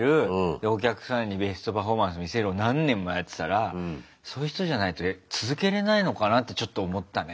お客さんにベストパフォーマンス見せるを何年もやってたらそういう人じゃないと続けれないのかなってちょっと思ったね。